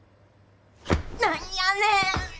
何やねん！